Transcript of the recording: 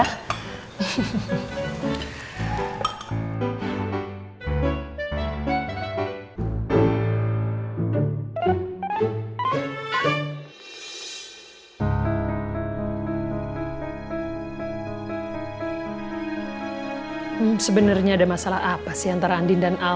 hmm sebenarnya ada masalah apa sih antara andin dan al